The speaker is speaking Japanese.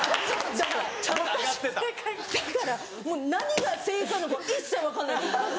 私だからもう何が正解なのか一切分かんないです。